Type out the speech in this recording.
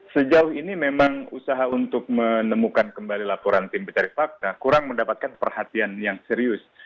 sejauh ini memang usaha untuk menemukan kembali laporan tim pencari fakta kurang mendapatkan perhatian yang serius